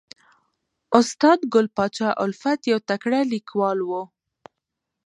استاد ګل پاچا الفت یو تکړه لیکوال و